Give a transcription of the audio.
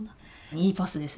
いいパスですね。